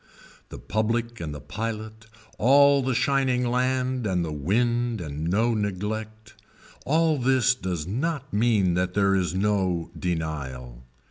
The public and pilot, all the shining land and the wind and no neglect, all this does not mean that there is no denial.